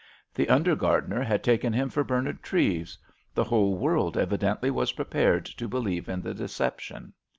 The under gardener had taken him for Bernard Treves; the whole world evidently was prepared to believe in the deception.